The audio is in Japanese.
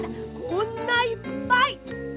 こんないっぱい！